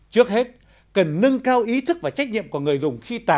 trước hết cần nâng cao ý thức và trách nhiệm của người dùng